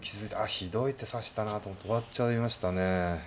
ひどい手指したなと思って終わっちゃいましたね。